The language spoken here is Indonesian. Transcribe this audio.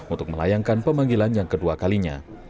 untuk melayangkan pemanggilan yang kedua kalinya